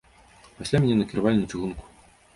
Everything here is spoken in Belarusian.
Пасля мяне накіравалі на чыгунку.